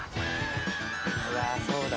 「うわあそうだ」